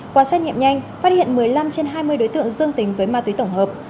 quán xét nhẹm nhanh phát hiện một mươi năm trên hai mươi đối tượng dương tình với ma túy tổng hợp